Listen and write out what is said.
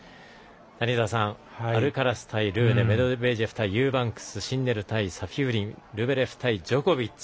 谷澤さん、アルカラス対ルーネメドベージェフ対ユーバンクスシンネル対サフィウリンルブレフ対ジョコビッチ。